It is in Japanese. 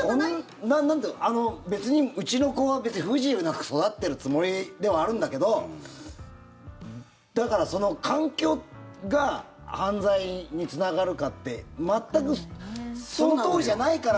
うちの子は別に不自由なく育ってるつもりではあるんだけどだから環境が犯罪につながるかって全くそのとおりじゃないから。